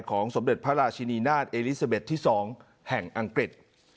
สมเด็จพระราชินีนาฏเอลิซาเบสที่๒แห่งอังกฤษ